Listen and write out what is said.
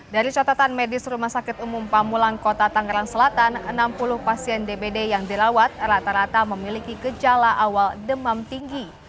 dari catatan medis rumah sakit umum pamulang kota tangerang selatan enam puluh pasien dbd yang dirawat rata rata memiliki gejala awal demam tinggi